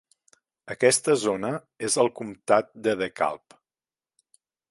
Aquesta zona és al comtat de DeKalb.